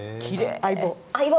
相棒。